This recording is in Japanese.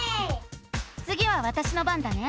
つぎはわたしの番だね。